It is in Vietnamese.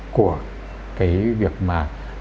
của cái việc mà